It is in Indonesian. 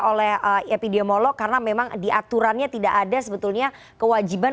oleh epidemiolog karena memang diaturannya tidak ada sebetulnya kewajiban